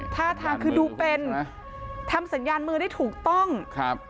ท่าทางคือดูเป็นทำสัญญาณมือได้ถูกต้องครับ